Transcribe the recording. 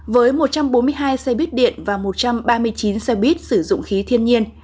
với một trăm bốn mươi hai xe buýt điện và một trăm ba mươi chín xe buýt sử dụng khí thiên nhiên